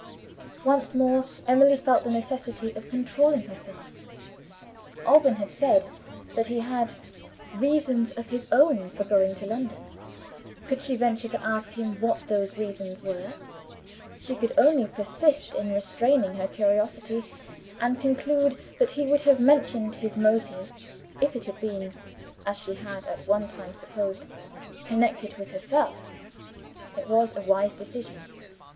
Once more, Emily felt the necessity of controlling herself. Alban had said that he had "reasons of his own for going to London." Could she venture to ask him what those reasons were? She could only persist in restraining her curiosity, and conclude that he would have mentioned his motive, if it had been (as she had at one time supposed) connected with herself. It was a wise decision.